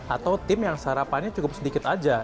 atau tim yang sarapannya cukup sedikit aja